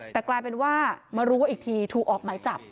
แต่กลายเป็นว่ามารู้ว่าอีกทีถูกออกหมายจับ